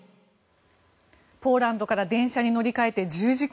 ポーランドから電車に乗り換えて１０時間。